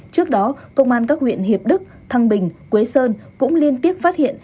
trước đó công an các huyện hiệp đức thăng bình quế sơn cũng liên tiếp phát hiện